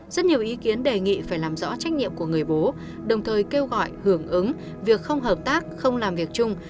rất nhiều ý kiến đề nghị phải làm rõ trách nhiệm của người bố đồng thời kêu gọi hưởng ứng việc không hợp tác không làm việc chung